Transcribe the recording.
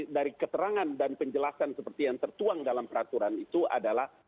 dari keterangan dan penjelasan seperti yang tertuang dalam peraturan itu adalah